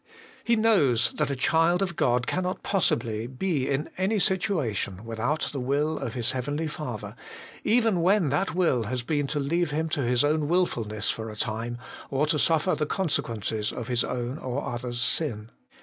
He knows that a child of God cannot possibly be in any situation without the will of His Heavenly Father, even when that will has been to leave him to his own wilfulness for a time, or to suffer the consequences of his own or others' sin.